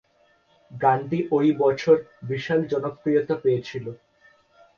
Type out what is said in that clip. গানটি ওই বছর বিশাল জনপ্রিয়তা পেয়েছিল।